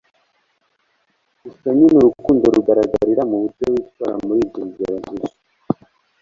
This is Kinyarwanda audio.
gusa burya urukundo rugaragarira mu buryo witwara muri ibyo bigeragezo